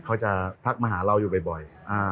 เขาจะทักมาหาเราอยู่บ่อย